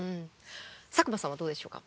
佐久間さんはどうでしょうか？